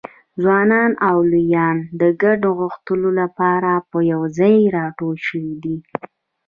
ځوانان او لویان د ګډو غوښتنو لپاره په یوځایي راټول شوي دي.